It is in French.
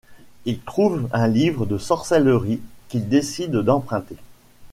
Il trouve un livre de sorcellerie qu'il décide d'emprunter.